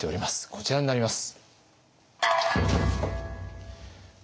こちらになります。